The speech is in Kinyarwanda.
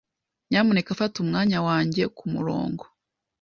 Nyamuneka fata umwanya wanjye kumurongo.